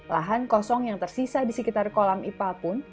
lahan kosong yang tersisa di sekitar kolam ipal pun